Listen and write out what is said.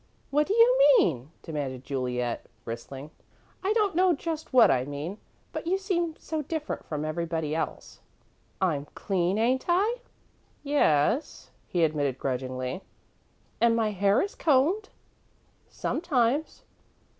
"What do you mean?" demanded Juliet, bristling. "I don't know just what I mean, but you seem so different from everybody else." "I'm clean, ain't I?" "Yes," he admitted, grudgingly. "And my hair is combed?" "Sometimes."